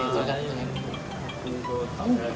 ปกติจ่ะปกติน่ะ